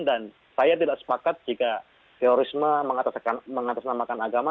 dan saya tidak sepakat jika terorisme mengatasnamakan agama